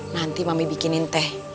nanti mami bikinin teh